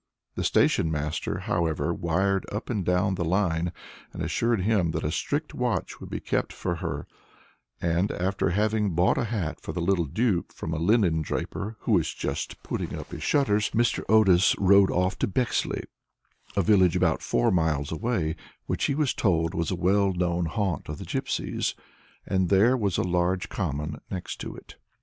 The station master, however, wired up and down the line, and assured him that a strict watch would be kept for her, and, after having bought a hat for the little Duke from a linen draper, who was just putting up his shutters, Mr. Otis rode off to Bexley, a village about four miles away, which he was told was a well known haunt of the gipsies, as there was a large common next to it.